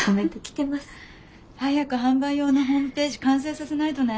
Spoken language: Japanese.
早く販売用のホームページ完成させないとね。